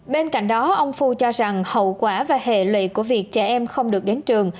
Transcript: bên cạnh đó ông phu cho rằng hậu quả và hệ lụy của việc trẻ em không được đến trường